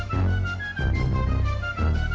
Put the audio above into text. sampai jumpa pak